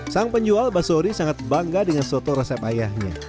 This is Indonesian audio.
sang penjual basori sangat bangga dengan soto resep ayahnya